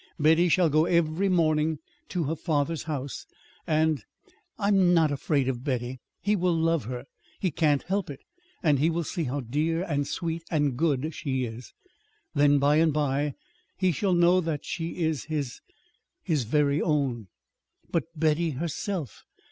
"Betty shall go every morning to her father's house, and I'm not afraid of Betty. He will love her. He can't help it. And he will see how dear and sweet and good she is. Then, by and by, he shall know that she is his his very own." "But but Betty herself!